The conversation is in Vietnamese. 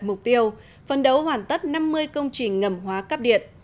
mục tiêu phân đấu hoàn tất năm mươi công trình ngầm hóa cắp điện